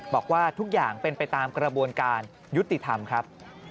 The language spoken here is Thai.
บอกว่าทุกอย่างเป็นไปตามกระบวนการยุติธรรมครับ